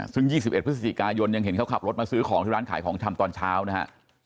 ซึ่ง๒๑พฤศจิกายนยังเห็นเขาขับรถมาซื้อของที่ร้านขายของชำตอนเช้านะฮะ